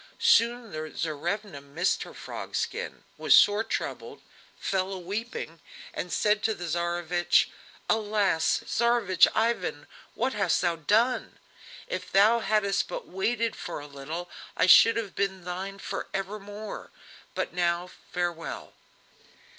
Soon the Tsarevna missed her frog skin, was sore troubled, fell a weeping, and said to the Tsarevich: "Alas! Tsarevich Ivan! what hast thou done? If thou hadst but waited for a little, I should have been thine for ever more, but now farewell!